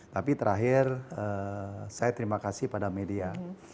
tapi terakhir saya terima kasih pada media